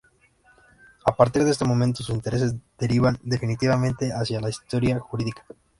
A partir de este momento sus intereses derivan definitivamente hacia la historia jurídica.